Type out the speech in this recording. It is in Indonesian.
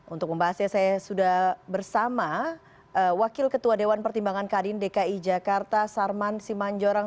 untuk membahasnya saya sudah bersama wakil ketua dewan pertimbangan kadin dki jakarta sarman simanjorang